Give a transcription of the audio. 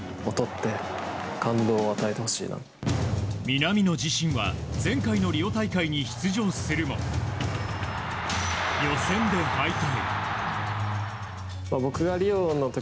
南野自身は前回のリオ大会に出場するも予選で敗退。